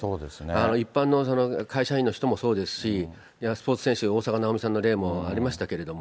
一般の会社員の人もそうですし、スポーツ選手、大坂なおみさんの例もありましたけれども。